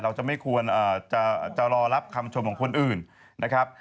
เราจะไม่ควรจะรอรับคำชมของคนอื่นนะครับ